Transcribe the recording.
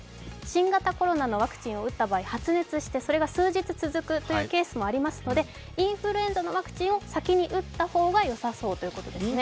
新型コロナのワクチンを打った場合、発熱して、それが数日続くというケースもありますので、インフルエンザのワクチンを先に打った方がよさそうということですね。